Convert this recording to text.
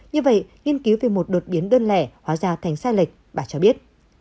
như vậy nghiên cứu về một đột biến đơn lẻ hóa ra thành sai lệch bà cho biết